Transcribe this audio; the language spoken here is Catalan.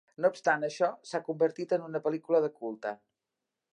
No obstant això, s'ha convertit en una pel·lícula de culte.